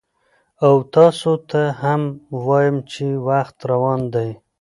او تاسو ته هم وایم چې وخت روان دی،